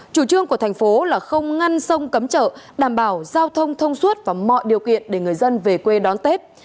chủ trương của thành phố là không ngăn sông cấm chợ đảm bảo giao thông thông suốt và mọi điều kiện để người dân về quê đón tết